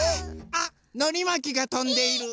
あっのりまきがとんでいる！